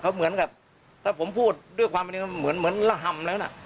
เหมือนกับถ้าผมพูดด้วยความนี้เหมือนระห่ำแล้วนะ